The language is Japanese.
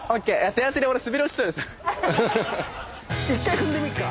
１回踏んでみっか。